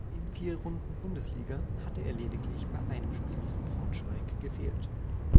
In vier Runden Bundesliga hatte er lediglich bei einem Spiel von Braunschweig gefehlt.